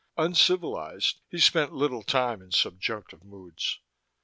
Uncivilized, he spent little time in subjunctive moods.